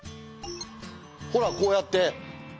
ほらこうやって。